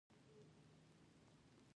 عیني شیان له باور پرته شته.